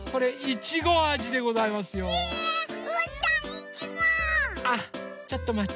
ちょっとまって。